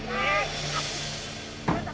gak bisa keluar